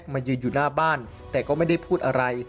มายืนอยู่หน้าบ้านแต่ก็ไม่ได้พูดอะไร